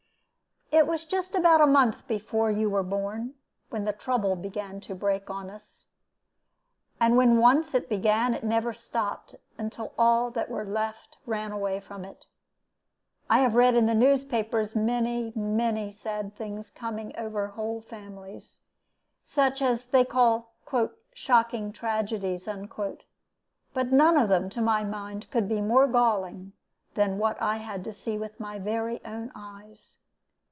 It was just about a month before you were born, when the trouble began to break on us. And when once it began, it never stopped until all that were left ran away from it. I have read in the newspapers many and many sad things coming over whole families, such as they call 'shocking tragedies;' but none of them, to my mind, could be more galling than what I had to see with my very own eyes.